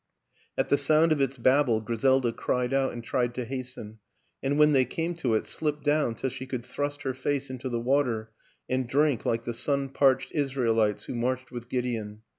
At the sound of its babble Griselda cried out and tried to hasten, and, when they came to it, slipped down till she could thrust her face into the water and drink like the sun parched Israelites who marched with Gideon.